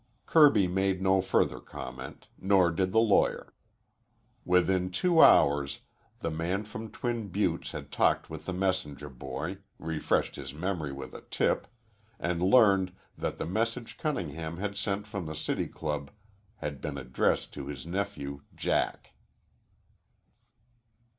Kirby made no further comment, nor did the lawyer. Within two hours the man from Twin Buttes had talked with the messenger boy, refreshed his memory with a tip, and learned that the message Cunningham had sent from the City Club had been addressed to his nephew Jack.